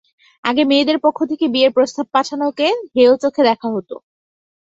আগে মেয়েদের পক্ষ থেকে বিয়ের প্রস্তাব পাঠানোকে হেয় চোখে দেখা হতো।